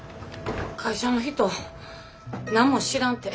会社の人何も知らんて。